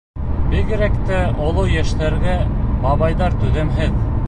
Бигерәк тә оло йәштәге бабайҙар түҙемһеҙ.